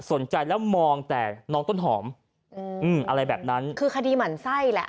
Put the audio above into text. สนใจแล้วมองแต่น้องต้นหอมอืมอะไรแบบนั้นคือคดีหมั่นไส้แหละ